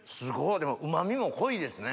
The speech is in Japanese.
でもうま味も濃いですね。